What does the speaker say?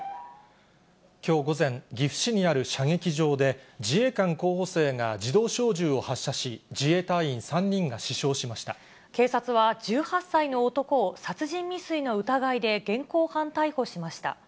きょう午前、岐阜市にある射撃場で、自衛官候補生が自動小銃を発射し、警察は１８歳の男を殺人未遂の疑いで現行犯逮捕しました。